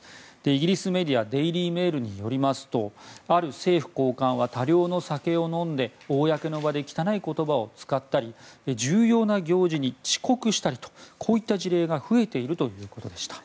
イギリスメディアデイリー・メールによりますとある政府高官は多量の酒を飲んで公の場で汚い言葉を使ったり重要な行事に遅刻したりという事例が増えているということでした。